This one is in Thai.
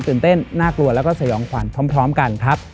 เต้นน่ากลัวแล้วก็สยองขวัญพร้อมกันครับ